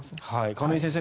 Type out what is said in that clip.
亀井先生